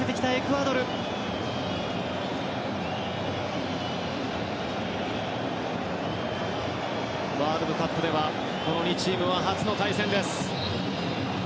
ワールドカップではこの２チームは初の対戦です。